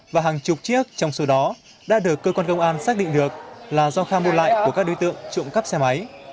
và hàng chục chiếc trong số đó đã được cơ quan công an xác định được là do kha mua lại của các đối tượng trộm cắp xe máy